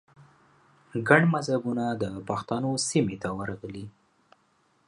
ګڼ مذهبونه د پښتنو سیمې ته ورغلي